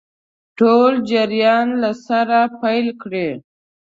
ټول جریان له سره پیل کړي.